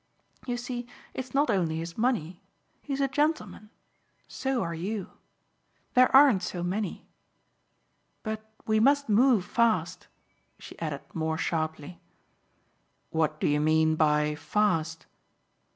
You see it's not only his money. He's a gentleman. So are you. There aren't so many. But we must move fast," she added more sharply. "What do you mean by fast?"